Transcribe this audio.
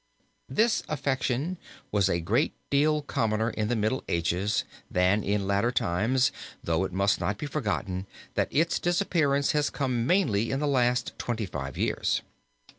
This affection was a great deal commoner in the Middle Ages than in later times, though it must not be forgotten that its disappearance has come mainly in the last twenty five years.